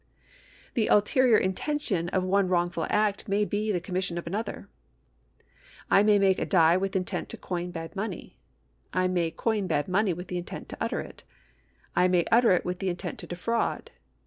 The ulterior intention of one wrongful act may be the com mission of another. I may make a die with intent to coin bad money ; I may coin bad money with intent to utter it ; I nmy utter it with intent to defraud.